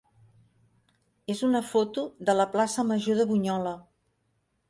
és una foto de la plaça major de Bunyola.